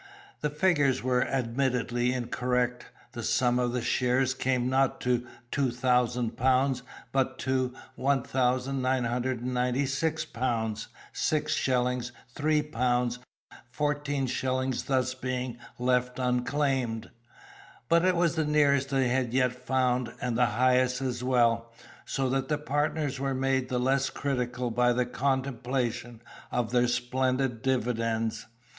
The figures were admittedly incorrect; the sum of the shares came not to 2000 pounds, but to 1996 pounds, 6 shillings: 3 pounds, 14 shillings being thus left unclaimed. But it was the nearest they had yet found, and the highest as well, so that the partners were made the less critical by the contemplation of their splendid dividends.